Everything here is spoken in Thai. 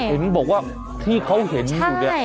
เห็นบอกว่าที่เขาเห็นอยู่เนี่ย